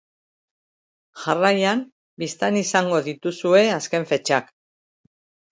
Jarraian bistan izango dituzue azken fetxak.